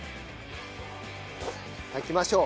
炊きましょう。